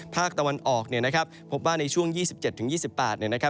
ภาคตะวันออกพวกบ้านในช่วง๒๗๒๘องศา